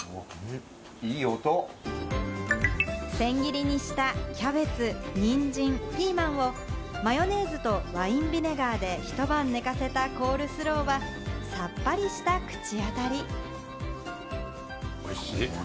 千切りにしたキャベツ、人参、ピーマンをマヨネーズとワインビネガーでひと晩寝かせたコールスローは、さっぱりした口当たり。